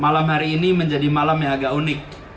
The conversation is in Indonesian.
malam hari ini menjadi malam yang agak unik